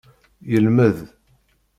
Yelmed.